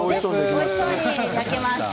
おいしそうに焼けました。